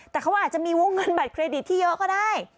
แต่เขาอาจจะมีวงเงินบัตรเครดิตที่เยอะก็ได้